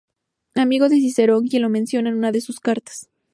Amigo de Cicerón quien lo menciona en una de sus cartas.